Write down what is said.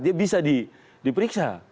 dia bisa diperiksa